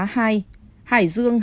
hải dương hai